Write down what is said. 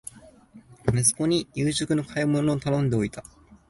息子に夕食の買い物を頼んでおいた